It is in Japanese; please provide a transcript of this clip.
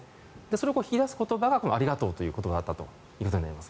それを引き出す言葉がありがとうという言葉だったということです。